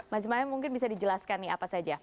mas imam mungkin bisa dijelaskan nih apa saja